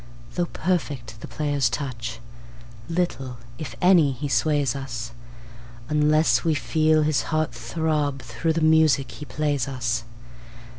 Though perfect the player's touch, little, if any, he sways us, Unless we feel his heart throb through the music he plays us.